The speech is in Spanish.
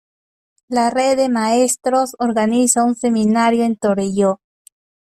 La red de maestros organiza un seminario en Torelló.